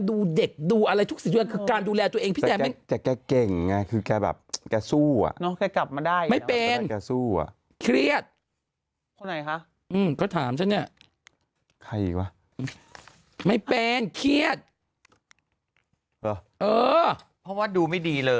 ดูไม่ดีเลยอ่ะอ่าอ่านข้าวค่ะชวนครับ